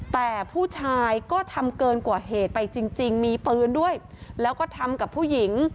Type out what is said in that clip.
แต่ผู้ชายก็ทำเกินกว่าเหตุไปจริงมีปืนด้วยแล้วก็ทำกับผู้หญิง